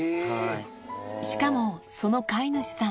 しかもその飼い主さん。